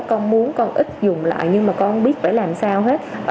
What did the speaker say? con muốn con ít dùng lại nhưng mà con biết phải làm sao hết